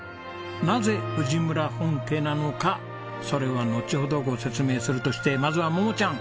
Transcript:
なぜ藤村本家なのかそれはのちほどご説明するとしてまずは桃ちゃん